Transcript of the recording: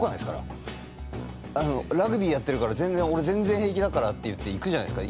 ラグビーやってるから俺全然平気だからっていって行くじゃないですか。